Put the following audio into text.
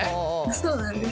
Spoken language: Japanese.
そうなんです。